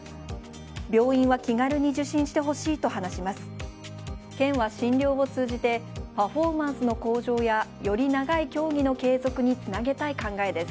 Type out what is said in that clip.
病院は気軽に受診してほしいと話します。